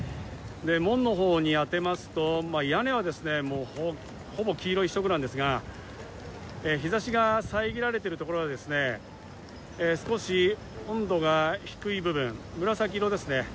門のほうに当てますと、屋根はもうほぼ黄色一色なんですが、日差しが遮られているところは少し温度が低い部分、紫色ですね。